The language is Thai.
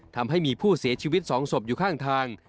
ทำให้มีผู้เสียชีวิต๒ศพอยู่ข้างทาง